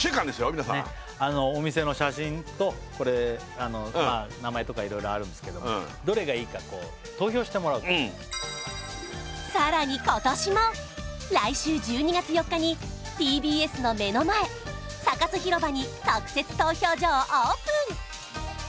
皆さんお店の写真と名前とかいろいろあるんですけどもどれがいいか投票してもらうさらに今年も来週１２月４日にＴＢＳの目の前サカス広場に特設投票所をオープン